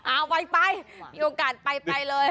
เอาไปโอกาสไปเลย